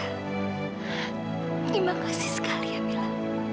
terima kasih sekali ya mila